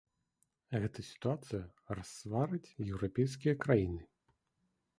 Гэта сітуацыя рассварыць еўрапейскія краіны.